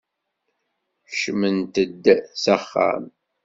Kecmemt-d s axxam!